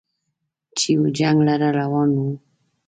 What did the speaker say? چې و جنګ لره روان و